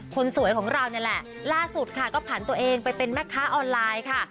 คนสวยของเรานี่แหละล่าสุดค่ะก็ผ่านตัวเองไปเป็นแม่ค้าออนไลน์ค่ะ